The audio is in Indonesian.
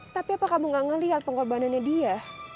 tapi apa kamu gak ngeliat pengorbanannya dia